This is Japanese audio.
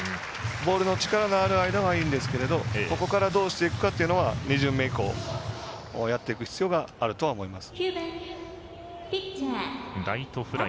ボールの力がある間はいいんですがここからどうしていくかというのは２巡目以降やっていく必要があると思います。